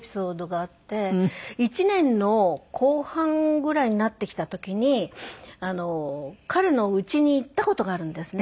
一年の後半ぐらいになってきた時に彼の家に行った事があるんですね。